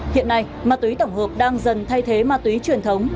hiện nay ma túy tổng hợp đang dần thay thế ma túy truyền thống